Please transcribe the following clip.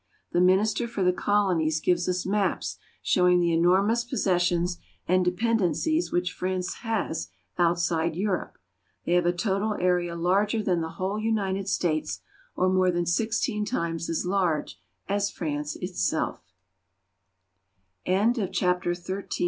The Minister for the Colonies gives us maps showing the enormous possessions and de pendencies which France has outside Europe. They have a total area larger than the whole United States, or more than sixteen times as large as France